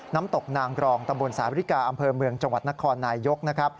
น้ำตกนางกรองตำบลสายวิริกาอำเภอเมืองจังหวัดนครนายยก